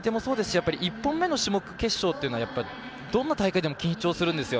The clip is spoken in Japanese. １本目の種目決勝というのはどんな大会でも緊張するんですよ。